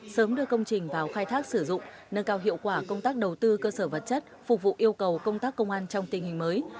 sớm đưa công trình vào khai thác sử dụng nâng cao hiệu quả công tác đầu tư cơ sở vật chất phục vụ yêu cầu công tác công an trong tình hình mới